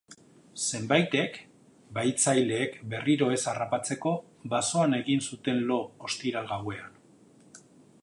Zenbaitek, bahitzaileek berriro ez harrapatzeko, basoan egin zuten lo ostiral gauean.